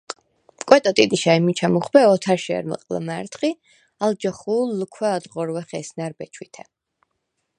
კვეტო ტიტიშა ი მიჩა მუხვბე ოთარშე̄რმჷყ ლჷმა̈რდხ ი ალ ჯახუ̄ლ ლქვ’ ა̄̈დღორვეხ ესნა̈რ, ბეჩვითე.